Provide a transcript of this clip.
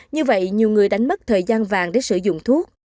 như vậy nhiều người đánh mất thời gian vàng để sử dụng thuốc